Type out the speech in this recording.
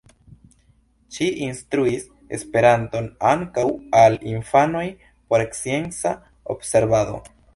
Ŝi instruis Esperanton ankaŭ al infanoj por scienca observado.